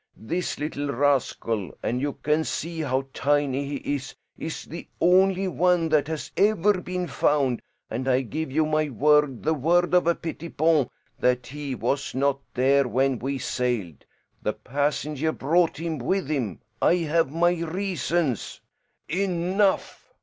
This little rascal and you can see how tiny he is is the only one that has ever been found, and I give you my word, the word of a Pettipon, that he was not there when we sailed. The passenger brought him with him. I have my reasons " "Enough!"